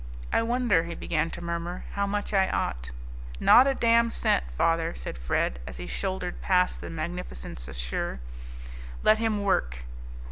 "I wonder," he began to murmur, "how much I ought " "Not a damn cent, father," said Fred, as he shouldered past the magnificent chasseur; "let him work."